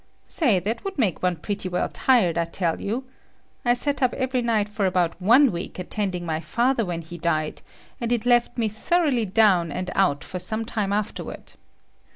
"Say, that would make one pretty well tired, I tell you. I sat up every night for about one week attending my father when he died, and it left me thoroughly down and out for some time afterward."